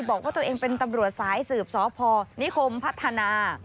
บอกว่าตัวเองเป็นตำรวจสายสืบสพนิคมพัฒนา